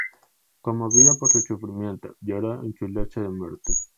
Conmovido por su sufrimiento, lloró en su lecho de muerte.